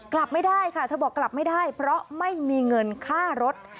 กลับไม่ได้ค่ะเธอบอกกลับไม่ได้เพราะไม่มีเงินค่ารถ